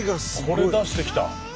これ出してきた？